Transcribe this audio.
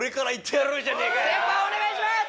先輩お願いします！